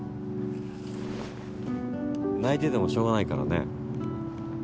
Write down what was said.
泣いててもしょうがないからね。